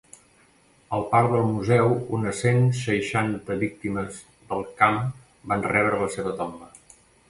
Al parc del museu unes cent seixanta víctimes del camp van rebre la seva tomba.